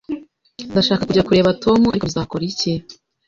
Ndashaka kujya kureba Tom, ariko bizakora iki?